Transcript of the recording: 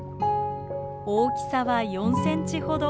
大きさは４ｃｍほど。